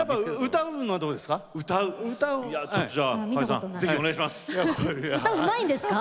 歌うのはどうですか？